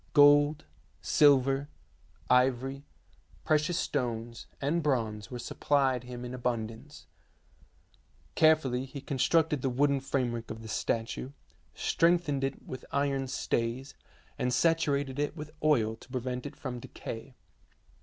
Gold, silver, ivory, precious stones, and bronze were supplied him in abundance. Carefully he constructed the wooden framework of the statue, strengthened it with iron stays, and saturated it with oil to prevent it from decay.